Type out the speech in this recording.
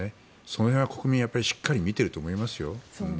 その辺は国民がしっかり見ていると思いますよ。